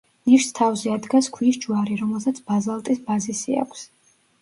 ნიშს თავზე ადგას ქვის ჯვარი, რომელსაც ბაზალტის ბაზისი აქვს.